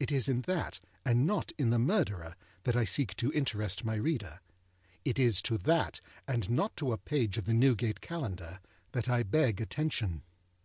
It is in that, and not in the Murderer, that I seek to interest my reader. It is to that, and not to a page of the Newgate Calendar, that I beg attention.